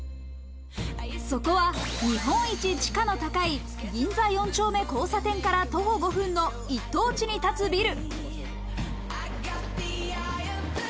そこは日本一地価の高い銀座４丁目交差点から徒歩５分の一等地に建つビル。